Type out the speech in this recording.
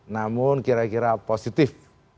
namun kira kira positif